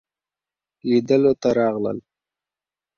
لیدلو ته راغلل.